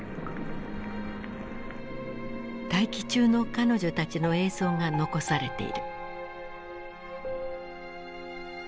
待機中の彼女たちの映像が残されている。